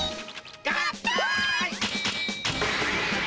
合体！